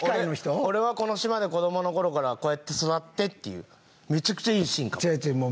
俺は、この島で子供のころからこうやって育ってっていうめちゃくちゃいいシーンかも。